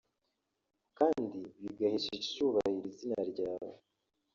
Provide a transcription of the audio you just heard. kandi bigahesha icyubahiro Izina ryawe